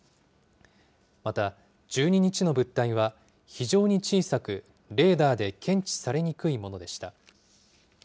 また１２日の物体は、非常に小さく、レーダーで検知されにくいものでした。